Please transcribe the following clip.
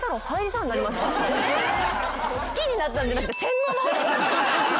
好きになったんじゃなくて。